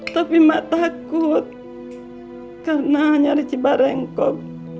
tapi emak takut karena hanya dari cibarengkot